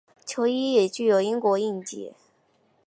球衣也具有英国印记。